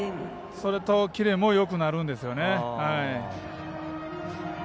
それとキレもよくなるんですよね。